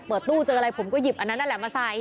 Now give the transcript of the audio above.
เปิดตู้เจออะไรผมก็หยิบอันนั้นนั่นแหละมาใส่